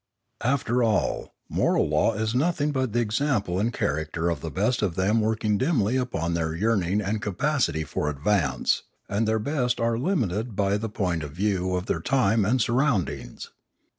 After all, moral law is nothing but the example and character of the best of them working dimly upon their yearning and capacity for advance; and their best are limited by the point of view of their time and surroundings.